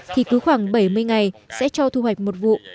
thì cứ khoảng bảy mươi ngày sẽ cho thu hoạch một vụ